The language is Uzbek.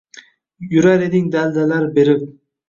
Yurar eding daldalar berib